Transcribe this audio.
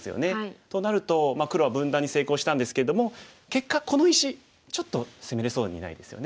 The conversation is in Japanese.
となると黒は分断に成功したんですけれども結果この石ちょっと攻めれそうにないですよね。